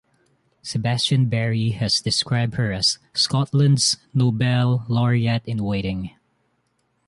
Sebastian Barry has described her as "Scotland's Nobel laureate-in-waiting".